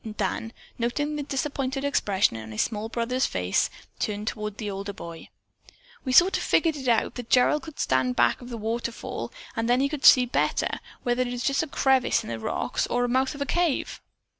Dan, noting the disappointed expression on his small brother's face, turned toward the older boy. "We sort of had it figured out that Gerald could stand back of the waterfall and then he could see better whether that is just a crevice in the rocks or the mouth of a cave."